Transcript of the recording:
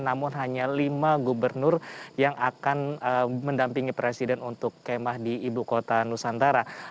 namun hanya lima gubernur yang akan mendampingi presiden untuk kemah di ibu kota nusantara